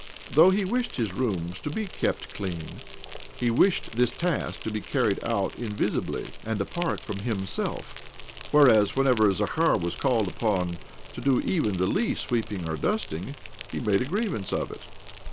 Though he wished his rooms to be kept clean, he wished this task to be carried out invisibly, and apart from himself ; whereas, whenever Zakhar was called upon to do even the least sweeping or dusting, he made a grievance of it.